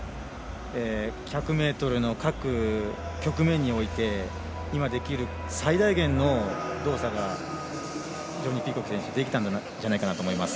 １００ｍの各局面において今できる最大限の動作が非常にピーコック選手できたんじゃないかなと思います。